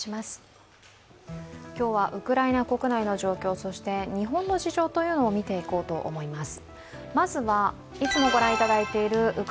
今日はウクライナ国内の状況、そして日本の事情を見ていこうと思います。